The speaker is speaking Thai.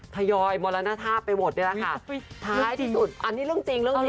พยอยมรณฑาไปหมดเนี่ยแหละค่ะอันนี้เรื่องจริง